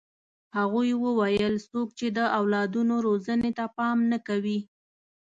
هغوی وویل څوک چې د اولادونو روزنې ته پام نه کوي.